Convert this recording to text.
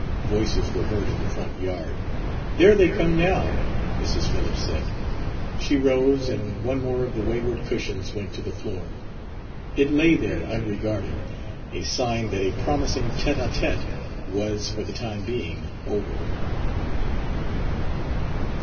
Voices were heard in the front yard. "There they come, now," Mrs. Phillips said. She rose, and one more of the wayward cushions went to the floor. It lay there unregarded, a sign that a promising tête à tête was, for the time being, over.